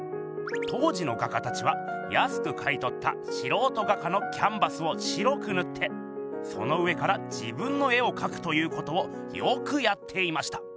当時の画家たちはやすく買いとったしろうと画家のキャンバスを白くぬってその上から自分の絵をかくということをよくやっていました。